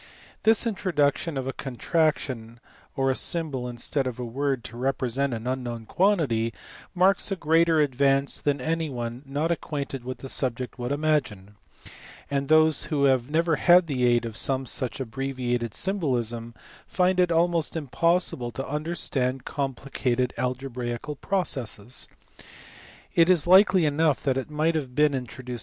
This introduction of a contraction or a symbol instead of a word to represent an unknown quantity marks a greater ad vance than anyone not acquainted with the subject would imagine, and those who have never had the aid of some such abbreviated symbolism find it almost impossible to understand complicated algebraical processes. It is likely enough that it might have been introduce!